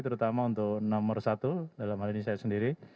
terutama untuk nomor satu dalam hal ini saya sendiri